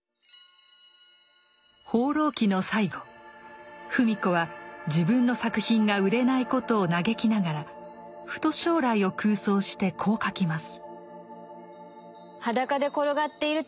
「放浪記」の最後芙美子は自分の作品が売れないことを嘆きながらふと将来を空想してこう書きます。